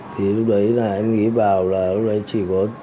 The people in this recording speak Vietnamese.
thì lúc đấy là em nghĩ vào là lúc đấy chỉ vốn